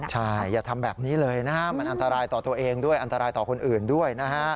ใช่อย่าทำแบบนี้เลยนะฮะมันอันตรายต่อตัวเองด้วยอันตรายต่อคนอื่นด้วยนะฮะ